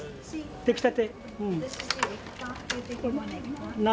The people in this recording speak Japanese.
出来たて。